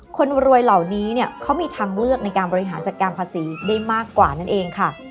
คนรวยเหล่านี้เนี่ยเขามีทางเลือกในการบริหารจัดการภาษีได้มากกว่านั่นเองค่ะ